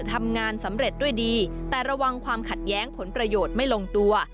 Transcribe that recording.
ทำงานสำเร็จด้วยดีแต่ระวังความขัดแย้งผลประโยชน์ไม่ลงตัว